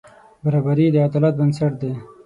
برابري د عدالت بنسټ دی.